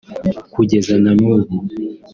Kugeza na n’ubu